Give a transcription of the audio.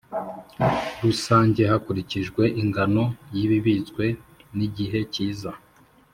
Rusange hakurikijwe ingano y ibibitswe n igihe cyiza